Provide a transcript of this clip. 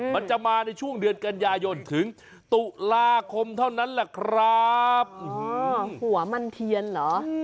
มันจะมาในช่วงเดือนกันยายนถึงตุลาคมเท่านั้นแหละครับหัวมันเทียนเหรอ